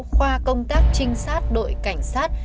khoa công tác trinh sát đội cảnh sát